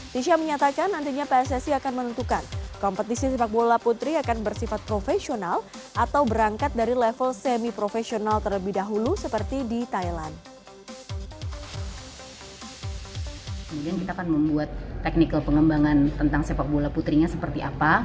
tisha menyatakan nantinya pssi akan menentukan kompetisi sepak bola putri